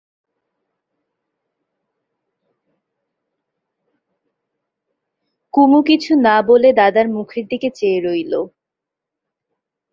কুমু কিছু না বলে দাদার মুখের দিকে চেয়ে রইল।